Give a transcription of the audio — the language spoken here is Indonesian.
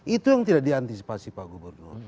itu yang tidak diantisipasi pak gubernur